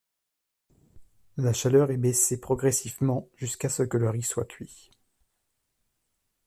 La chaleur est baissée progressivement jusqu'à ce que le riz soit cuit.